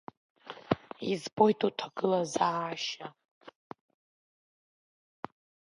Избоит уҭагылазаашьа.